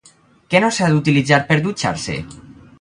Què no s'ha d'utilitzar per dutxar-se?